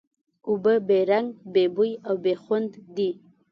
اوبه بې رنګ، بې بوی او بې خوند دي.